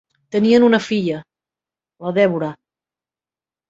Tenien una filla, la Dèbora.